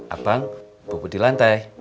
abang bobot di lantai